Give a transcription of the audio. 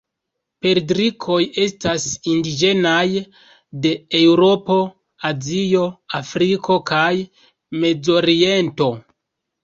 Perdrikoj estas indiĝenaj de Eŭropo, Azio, Afriko, kaj Mezoriento.